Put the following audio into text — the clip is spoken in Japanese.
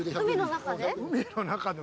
海の中で？